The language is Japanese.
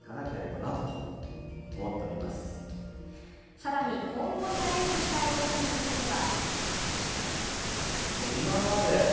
さらに今後チャレンジしたいことについては。